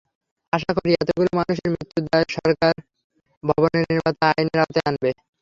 আশা করি, এতগুলো মানুষের মৃত্যুর দায়ে সরকার ভবনের নির্মাতাদের আইনের আওতায় আনবে।